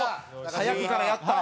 早くからやった。